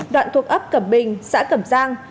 đoạn thuộc ấp cẩm bình xã cẩm giang